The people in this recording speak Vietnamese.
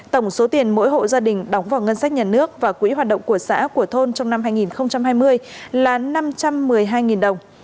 tổng số tiền mỗi hộ gia đình đóng vào ngân sách nhà nước và quỹ hoạt động của xã của thôn trong năm hai nghìn hai mươi là năm trăm một mươi hai đồng